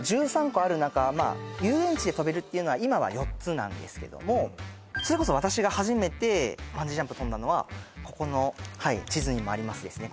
１３個ある中遊園地で飛べるっていうのは今は４つなんですけどもそれこそ私が初めてバンジージャンプ飛んだのはここの地図にもありますですね